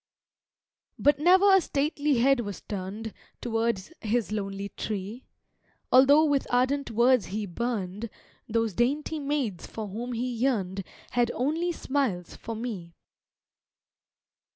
But ne'er a stately head was turned Towards his lonely tree, Altho' with ardent words he burned, Those dainty maids for whom he yearn'd Had only smiles for me.